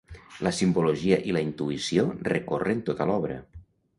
La simbologia i la intuïció recorren tota l'obra.